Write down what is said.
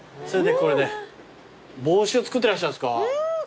帽子を作ってらっしゃるんですか？